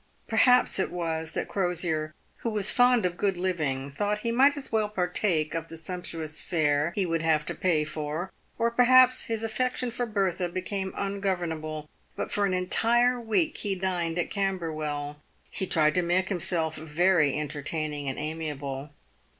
Perhaps it was that Crosier, who was fond of good living, thought he might as well partake of the sumptuous fare he would have to pay for, or perhaps his affection for Bertha became ungovernable ; but for an entire week he dined at Camberwell. He tried to make himself very entertaining and amiable.